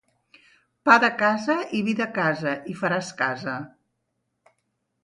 Pa de casa i vi de casa i faràs casa.